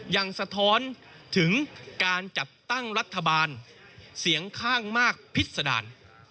สะท้อนถึงการจัดตั้งรัฐบาลเสียงข้างมากพิษดาร